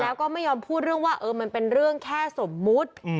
แล้วก็ไม่ยอมพูดเรื่องว่ามันเป็นเรื่องแค่สมมุติ